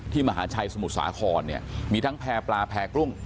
มหาชัยสมุทรสาครเนี่ยมีทั้งแพร่ปลาแพร่กลุ้ง